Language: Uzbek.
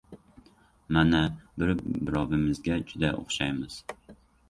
Mana... bir-birovimizga juda o‘xshaymiz.